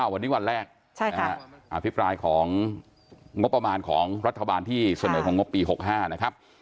วันนี้วันแรกอภิปรายของงบประมาณของรัฐบาลที่เสนอของงบปี๖๕นะครับ